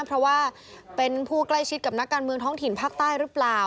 เพราะว่าเป็นผู้ใกล้ชิดกับนักการเมืองท้องถิ่นภาคใต้หรือเปล่า